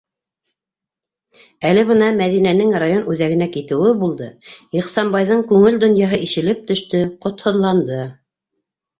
Әле бына Мәҙинәнең район үҙәгенә китеүе булды, Ихсанбайҙың күңел донъяһы ишелеп төштө, ҡотһоҙланды.